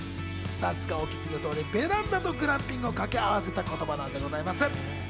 お気付きの通り、ベランダとグランピングを掛け合わせた言葉なんでございます。